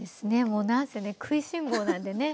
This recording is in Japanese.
もうなんせね食いしん坊なんでね。